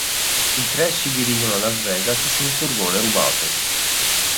I tre si dirigono a Las Vegas su un furgone rubato.